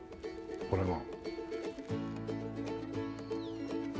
これが。